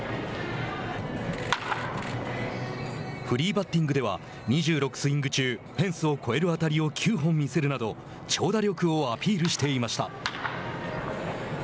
フリーバッティングでは２６スイング中フェンスを越える当たりを９本見せるなど長打力をアピールしていました。